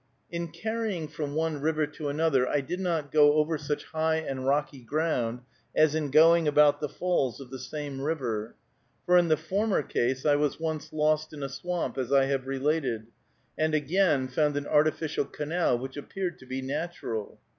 In carrying from one river to another, I did not go over such high and rocky ground as in going about the falls of the same river. For in the former case I was once lost in a swamp, as I have related, and, again, found an artificial canal which appeared to be natural.